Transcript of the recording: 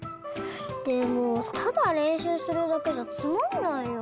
でもただれんしゅうするだけじゃつまんないよ。